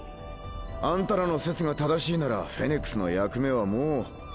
あんたらの説が正しいならフェネクスの役目はもう。